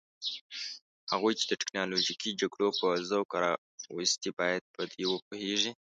هغوی چې د تکنالوژیکي جګړو په ذوق راوستي باید په دې وپوهیږي.